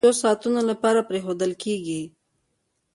د څو ساعتونو لپاره پرېښودل کېږي.